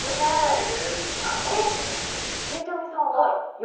ゆうちゃみさんは夜。